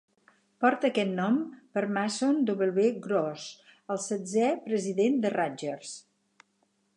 Porta aquest nom per Mason W. Gross, el setzè president de Rutgers.